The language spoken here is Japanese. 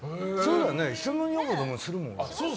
人の女房でもするよね。